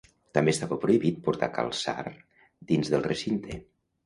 També estava prohibit portar calçar dins del recinte.